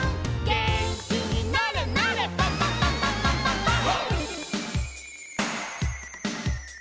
「げんきになれなれパンパンパンパンパンパンパン！！」